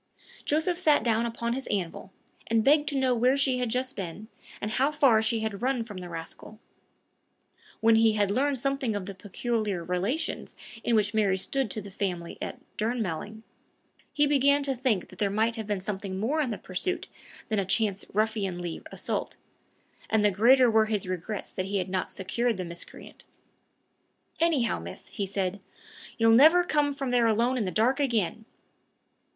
Joseph sat down upon his anvil, and begged to know where she had just been, and how far she had run from the rascal. When he had learned something of the peculiar relations in which Mary stood to the family at Durnmelling, he began to think there might have been something more in the pursuit than a chance ruffianly assault, and the greater were his regrets that he had not secured the miscreant. "Anyhow, miss," he said, "you'll never come from there alone in the dark again!"